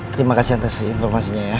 terima kasih antar si informasinya ya